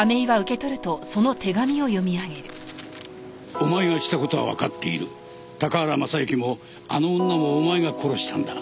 「おまえがしたことはわかっている」「高原雅之もあの女もおまえが殺したんだ」